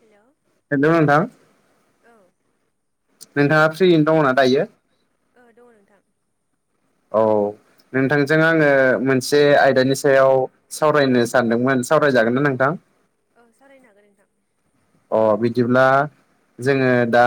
Hello नोंथां औ नोंथाङा फ्रियैनो दङना दायो? ओ दङ नोंथां। औ नोंथांजों आङो मोनसे आयदानि सायाव सावरायनो सानदोंमोन सावरायजागोन ना नोंथां? सावराय जागोन नोंथां। अ बिदिब्ला जोङो दा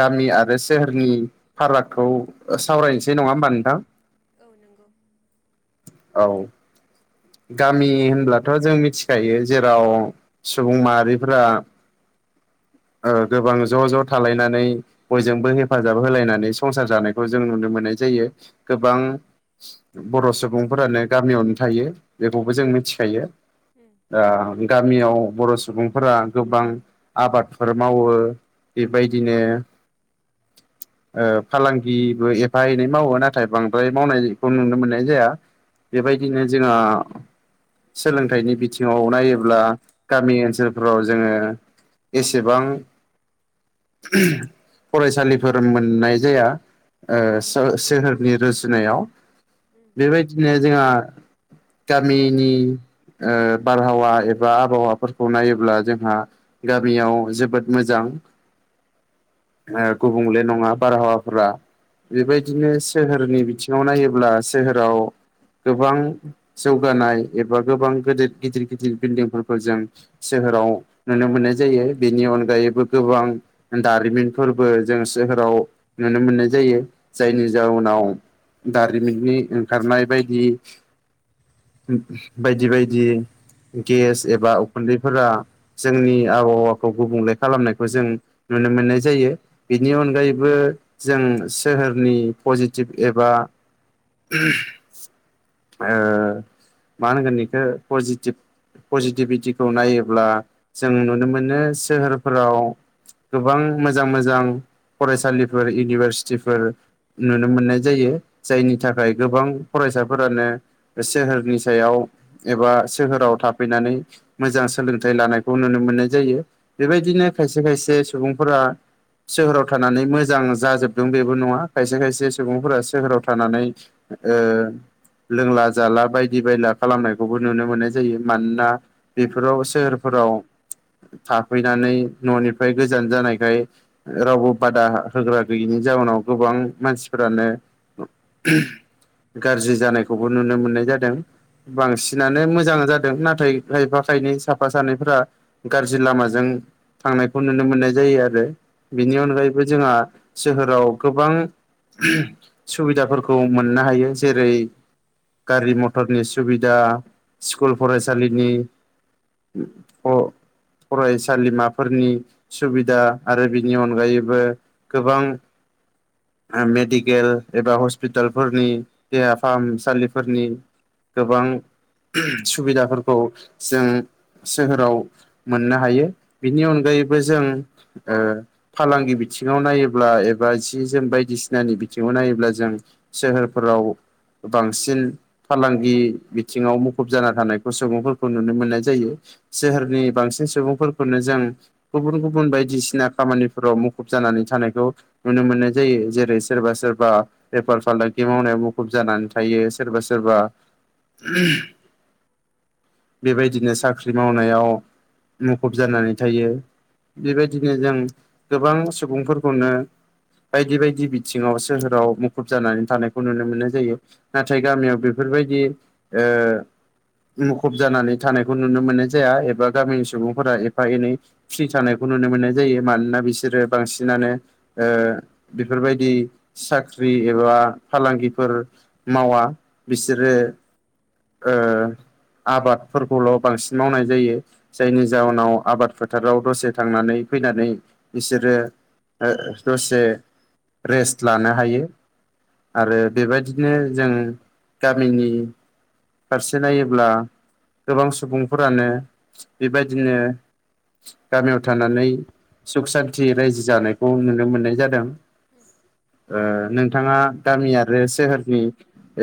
गामि आरो सोहोरनि फारागखौ सावरायनोसै नङा होमबा नोंथां? औ नंगौ औ गामि होनब्लाथ' जों मिथिखायो जेराव सुबुं माहारिफोरा [inaudible] ओ गोबां ज' ज' थालायनानै बयजोंबो हेफाजाब होलायनानै संसार जानायखौ जों नुनो मोननाय जायो। गोबां औ बर' सुबुंफोरानो गामियावनो थायो बेखौबो जों मिथिखायो। उम ओ गा मियाव बर' सुबुंफोरा गोबां आबादफोर मावो। बेबायदिनो ओ फालांगिबो एफा एनै मावो नाथाय बांद्राय मावनायखौ नुनो मोननाय जाया। उम बेबायदिनो जोङो सोलोंथाइनि बिथिङाव नायोब्ला गामि ओनसोलफोराव जोङो एसेबां फरायसालिफोर मोननाय जाया। ओ‌ उम सो-सोहोरनि रुजुनायाव उम बेबायदिनो जोंहा गामिनि ओ बारहावा एबा आबहावाफोरखौ नायोब्ला जोंहा गामियाव जोबोद मोजां। उम गुबुंले नङा ओ बारहावाफोरा। उम बेबायदिनो सोहोरनि बिथिङाव नायोब्ला सोहोराव गोबां जौगानाय एबा गोबां गिदिर गिदिर गिदिर बिल्डिंफोरखौ जों सोहोराव नुनो मोननाय जायो बेनि अनगायैबो गोबां दारिमिनफोरबो जों सोहोराव नुनो मोननाय जा जायो जायनि उम उम जाउनाव दारिमिननि ओंखारनाय बायदि बायदि बायदि गेस एबा उखुन्दैफोरा जोंनि आबहावाखौ गुबुंले खालामनायखौ जों नुनो मोननाय जायो बिनि अनगायैबो जों सोहोरनि पजिटिभ एबा ओ मा होनगोन बेखौ पजिटिब-पजिटिभिटिखौ नायोब्ला जों नुनो मोनो सोहोरफोराव गोबां मोजां मोजां फरायसालिफोर इउनिभारसिटिफोर नुनो मोननाय जायो जायनि थाखाय गोबां फरायसाफोरानो सोहोरनि सायाव एबा सोहोराव थाफैनानै मोजां सोलोंथाइ लानायखौ नुनो मोनो मोननाय जायो बेबायदिनो खायसे खायसे सुबुंफोरा सोहोराव थानानै मोजां जाजोबदों बेबो नङा खायसे खायसे सुबुंफोरा सोहोराव थानानै ओ लोंला जाला बायदि बायला खालामनायखौबो नुनो मोननाय जायो मानोना बेफोराव सोहोरफोराव थाफैनानै न'निफ्राय गोजान जानायखाय रावबो बादा होग्रा गैयिनि जाउनाव गोबां मानसिफोरानो गाज्रि जानायखौबो नुनो मोननाय जादों बांसिनानो मोजां जादों नाथाय खायफा खायनै साफा सानैफ्रा गाज्रि लामाजों थांनायखौ नुनो मोननाय जायो आरो बिनि उम अनगायैबो जोंहा सोहोराव गोबां सुबिदाफोरखौ मोननो हायो जेरै गारि मटरनि सुबिदा स्कुल फरायसालिनि औ फरायसालिमाफोरनि सुबिदा आरो बिनि अनगायैबो गोबां आ मेडिकेल एबा हस्पितालफोरनि देहा फाहामसालिफोरनि गोबां सुबिदाफोरखौ जों सोहोराव मोननो हायो बिनि अनगायैबो जों ओ फालांगि बिथिङाव नायोब्ला एबा जि जोम बायदिसिनानि बिथिङाव नायोब्ला जों सोहोरफोराव बांसिन फालांगि बिथिङाव मुखुब जाना थानायखौ सुबुंफोरखौ नुनो मोननाय जायो सोहोरनि बांसिन सुबुंफोरखौनो जों गुबुन गुबुन बायदिसिना खामानिफोराव मुखुब जानानै थानायखौ नुनो मोननाय जायो जेरै सोरबा सोरबा बेफार फालांगि मावनायाव मुखुब जानानै थायो सोरबा सोरबा बेबायदिनो साख्रि मावनायाव मुखुब जानानै थायो बेबायदिनो जों गोबां सुबुंफोरखौनो बायदि बायदि बिथिङाव सोहोराव मुखुब जानानै थानायखौ नुनो मोननाय जायो नाथाय गामियाव बेफोरबायदि ओ मुखुब जानानै थानायखौ नुनो मोननाय जाया एबा गामिनि सुबुंफोरा एफा एनै फ्रि थानायखौ नुनो मोननाय जायो मानोना बिसोरो बांसिनानो ओ बेफोरबायदि साख्रि ख्रि एबा फालांगिफोर मावा बिसोरो ओ आबादफोरखौल' बांसिन मावनाय जायो जायनि जाहोनाव आबाद फोथाराव दसे थांनानै फैनानै बिसोरो ओ दसे रेस्ट लानो हायो आरो बेबायदि बिदिनो जोंङो गामिनि फारसे नायोब्ला गोबां सुबुंफोरानो बेबायदिनो गामियाव थानानै सुख सान्थि रायजो जानायखौ नुनो मोननाय जादों उम ओ नोंथाङा गामि आरो सोहोर नि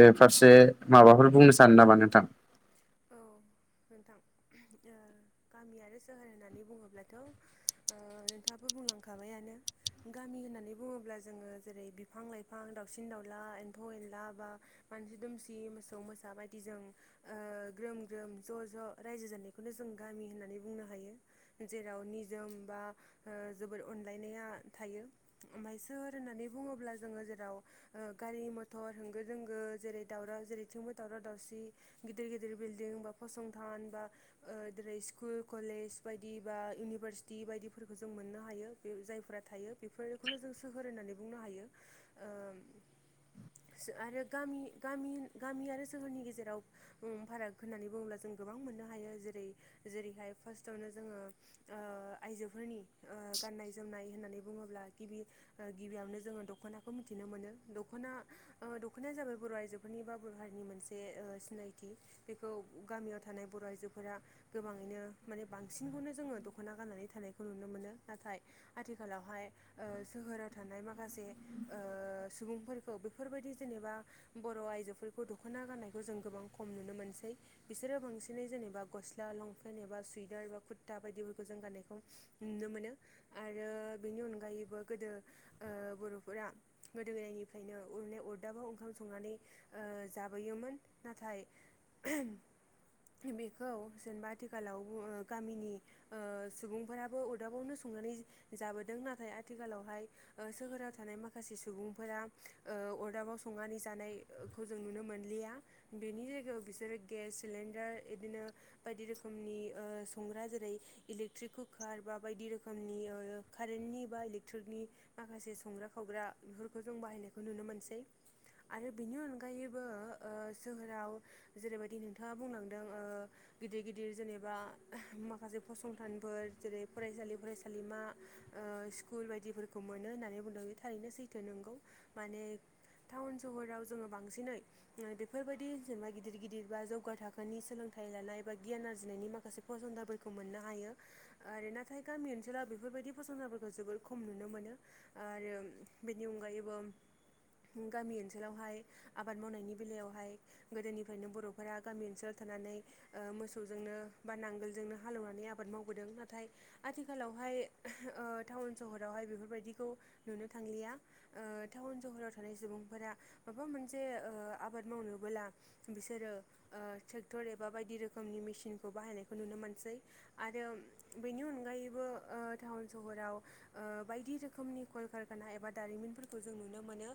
ओ फारसे माबाफोर बुंनो सानो नामा नोंथां औ नोंथां गामि आरो सोहोर होननानै बुङोब्लाथ ओ' नोंथाङाबो बुंलांखायो माबायानो गामि होननानै बुङोब्ला जोङो जेरै बिफां लाइफां दाउसिन दाउला एम्फौ ए ला बा मानसि दुमसि मोसौ मोसा बायदि जों ओ ग्रोम ग्रोम ज' ज' रायजो जानायखौनो जों गामि होननानै बुंनो हायो जेराव निजोम बा बा जोबोद अनलायनाया थायो ओमफ्राय सोर होननानै बुङोब्ला जोङो जेराव गारि मथर होंगो दोंगो जेरै दावराव जेरै थोंबो दावराव दावसि गिदिर गिदिर जै बिल्डिं बा फसंथान बा जेरै स्कुल कलेज बायदि बा इउनिभारसिटि बे बायदिफोरखौ जों मोननो हायो बे जायफोरा थायो बेफोरखौनो जों सोहोर होननानै बुंनो हायो ओ [inaudible] आरो गामि गामि गामि आरो सोहोरनि गेजेराव। फाराग होननानै बुंङोब्ला जों गोबां मोननो हायो जेरै जेरैहाय फार्स्टआवनो जोङो ओ ओ आइजोफोरनि ओ गाननाय जोमनाय होननानै बुंङोब्ला गिबि गिबियावनो जोङो दख'नाखौ। मिथिनो मोन दखना दख'नाया जाबाय बर' आइजोफोरनि बा बर' हारिनि मोनसे सिनाय। बेखौ गामियाव थानाय बर' आइजोफोरा गोबाङैनो माने बांसिनखौनो जोङो दख'ना। गाननानै थानायखौ नुनो मोनो नाथाय आथिखालावहाय सोहोराव थानाय माखासे। ओ सुबुंफोरखौ बेफोरबायदि जेनेबा बर' आइजोफोरखौ दख'ना गाननायखौ जों गोबां। खम नुनो मोनसै बिसोरो बांसिनै जेनेबा गस्ला लंपेन्ट एबा सुइेदार बा कुर्ता बायदिफोरखौ जों। गानायखौ नुनो मोनो आरो बेनि अनगायैबो गोदो ओ बर'फोरा। गोदो गोदायनिफ्रायनोअरनि अरदाबाव ओंखाम संनानै जाबोयोमोन नाथाय। ओह [unintelligible] बेखौ जेनेबा आथिखालाव गामिनि ओ सुबुंफोराबो अरदाबावनो स - संनानै जाबोदों नाथाय आथिखालावहाय सोहोराव थानाय माखासे सुबुंफोरा ओ अरदाबाव संनानै जानायखौ जों नुनो मोनलिया बेनि। बिसोरो गेस सिलिणडार बिदिनो बायदि रोखोमनि संग्रा जेरै इलेकट्रिक। कुकार बा बायदि रोखोमनि कारेन्टनि बा इलेकट्रिकनि माखासे संग्रा खावग्रा। बेफोरखौ जों बाहायनायखौ नुनो मोनसै आरो बिनि अनगायैबो ओ सोहोराव। जेरैबायदि नोंथांङा बुंलांदों गिदिर गिदिर जेनेबा माखासे फसंथान। फोर जेरै फरायसालि फरायसालिमा स्कुल बायदिफोरखौ मोनो होननानै बुंदों बे थारैनोसै। थो नोंगौ माने टाउन सहराव जोङो बांसिनै बेफोरबायदि। जेनेबा गिदिर गिदिर बा जौगा थाखोनि सोलोंथाइ लानाय बा गियान आरजिनायनि माखासे फसंथानफोरखौ मोननो हायो। आरो नाथाय गामि ओनसोलाव बेफोरबायदि फसंथानफोरखौ जोबोर खम नुनो मोनो आरो। बेनि अनगायैबो गामि ओनसोलावहाय आबाद मावनायनि बेलायावहाय। गोदोनिफ्रायनो बर'फोरा गामि ओनसोलाव थानानै मोसौजोंनो बा नांगोलजोंनो हालेवनानै आबाद। मावबोदों नाथाय आथिखालावहाय टाउन सहरावहाय बेफोरबायदिखौ नुनो थां। लिया ओ टाउन सहराव थानाय सुबुंफोरा माबा मोनसे ओ आबाद मावनोबोला बिसोरो ट्रेक्टर एबा बायदि रोखोमनि मेसिनखौ बाहायनायखौ नुनो मोनसै आरो। आरो बेनि अनगायैबो ओ टाउन सहराव बायदि रोखोमनि कलकारखानाय। एबा दारिमिनफोरखौ जों नुनो मोनो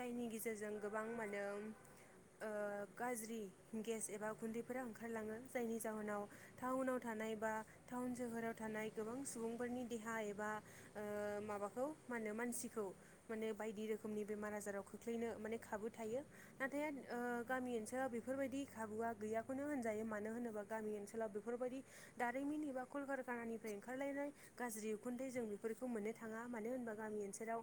जायनि गेजेरजों गोबां मानो। [inaudible] गाज्रि गेस एबा गुन्दैफोरा ओंखारलाङो जायनि जाहोनाव टाउनाव थानाय बा। टाउन सोहोराव थानाय गोबां सुबुंफोरनि देहा एबा माबाखौ मा होनो मानसिखौ। माने बायदि रोखोमनि बेमार आजाराव खोख्लैनो माने खाबु थायो नाथाय ओ गामि ओनसोलाव बेफोरबायदि खाबुआ गैयाखौनो होनजायो मानो होनोबा गामि ओनसोलाव बेफोरबायदि। दारिमिन एबा कलकारकानानिफ्राय ओंखारलायनाय गाज्रि उखुन्दै जों बेफोरखौ मोननो थाङा मानो होनबा गा मि ओनसोलाव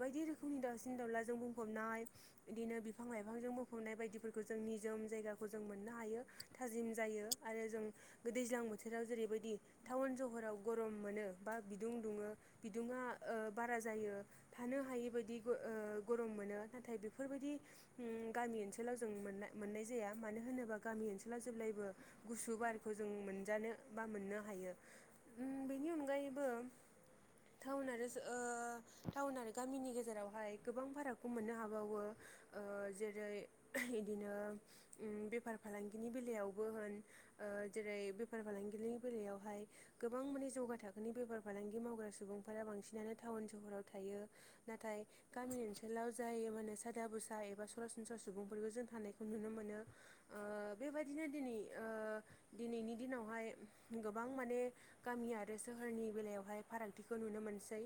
बायदि रोखोमनि दावउसिन दाउलाजों बुंफबनाय बिदिनो बिफां लाइफांजों बुंफब बनाय बायदिफोरखौ जों निजोम जायगाखौ जों मोननो हायो थाजिम जायो आरो जों दैज्लां। बोथोराव जेरैबायदि टाउन सहराव गरम मोनो बा बिदुं दुङो बिदुङा ओ बारा जायो थानो हायि बादि ओ गरम मोनो नाथाय बेफोरबादि गामि ओनसोलाव जों मोननाय मोननाय जाया मानो होनोबा गामि ओनसोलाव जेब्लायबो गुसु बारखौ जों मोन। मोनजानो बा मोननो हायो उम बेनि अनगायैबो। टाउन आरो ओ टाउन आरो गामिनि गेजेरावहाय गोबां फारागखौ मोननो हाबावो। ओ जेरै जेरै इदिनो बेफार फालांगिनि बेलायावबो होन ओ जेरै बेफार फालांगिनि बेलायावहाय गोबां माने जौगा थाखोनि बेफार फालांगि मावग्रा सुबुंफोरा बांसिनानो। टाउन सहराव थायो नाथाय गामि ओनसोलाव जाय माने सादा बुसा एबा सरासनस्रा सुबुंफोरबो जों थानायखौ नुनो मोनो ओ बेबायदिनो दिनै बेनि दिनावहाय गोबां माने गामि आरो सोहोरनि बेलायावहाय फारागथिखौ नुनो मोनसै।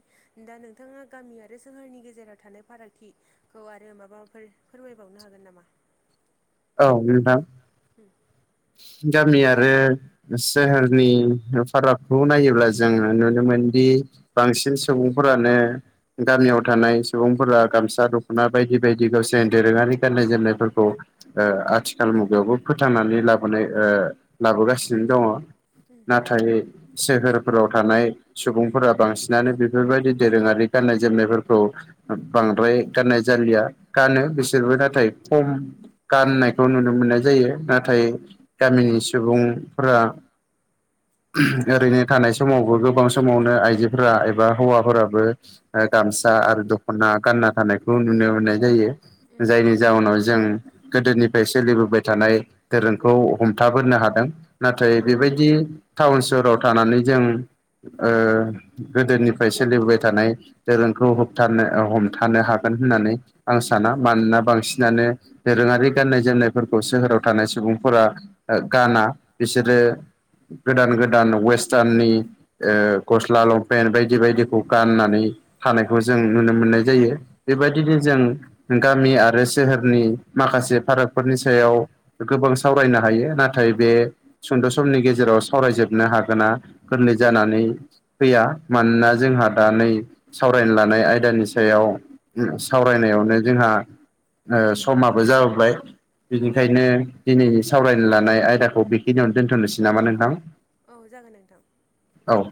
दा नोंथाङा गामि आरो सोहोरनि गेजेराव थानाय फारागथिखौ आरो माबाफोर। फोरमायबावनो हागोन नामा? औ नोंथां [inaudible] गामि आरो सोहोरनि फारागखौ नायोब्ला जोंङो नुनो मोनदि बांसिन सुबुंफोरानो गामियाव थानाय सुबुंफोरा गामसा दख'ना बायदि बायदि गावसोर दोरोंङारि गाननाय जोमनायफोरखौ ओ आथिखाल मुगायावबो फोथांनानै लाब माने ओ लाबोगासिनो दंङ' नाथाय सोहोर फोराव थानाय सुबुंफोरा बांसिनानो बेफोरबायदि दोरोंङारि गाननाय जोमनायफोरखौ [unintelligible] बांद्राय गाननाय जालिया, गानो बिसोरबो नाथाय खम गाननायखौ नुनो मोननाय जायो यो नाथाय गामिनि सुबुंफोरा ओरैनो थानाय समावबो गोबां समावनो आइजोफोरा एबा हौवाफोराबो ओ गामसा आ आरो दखना गानना थानायखौ नुनो मोननाय जायो जायनि जाउनाव जों गोदोनि फाय सोलिबोबाय थानाय धोरोमखौ हमथाबोनो हादों नाथाय बेबायदि टाउन सहराव थानानै जों ओ गोदोनिफ्राय सोलिबोबाय थानाय दोरोंखौ थानो ओ हमथानो हागोन होननानै आं साना मानोना बांसिनानो दोरोंङारि गाननाय जेननायफोरखौ सोहोराव थानाय सुबुंफोरा ओ गाना बिसोरो गोदान गोदान वेस्टार्ननि ओ गस्ला लंपेन्ट बायदि बायदिखौ गाननानै थानायखौ जों नुनो मोननाय जायो बेबायदिनो जों गामि आरो सोहोरनि माखासे फारागफोरनि सायाव गोबां सावरायनो हायो नाथाय बे सुंद' समनि गेजेराव सावरायजोबनो हागोना गोरलै जानानै फैया मानोना उम जोंहा दा नै सावरायनो लानाय आयदानि सायाव सावरायनायावनो जोंहा ओ समाबो जाबोबाय उम उम बेनिखायनो दिनै सावरायनो लानाय आयदाखौ बेखिनियावनो दोनथ'नोसै नामा नोंथां? औ जागोन नोंथां औ